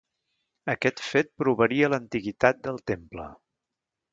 Aquest fet provaria l'antiguitat del temple.